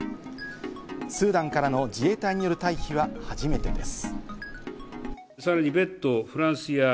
スーダンからの自衛隊による退避は初めてです。